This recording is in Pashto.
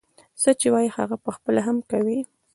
څه چې وايي هغه پخپله هم کوي.